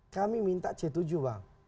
kami minta c tujuh bang